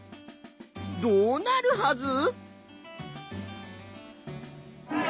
どうなるはず？